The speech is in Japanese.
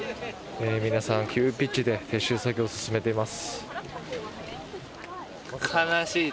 皆さん、急ピッチで撤収作業を進めています。